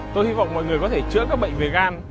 tôi hy vọng mọi người có thể chữa các bệnh về gan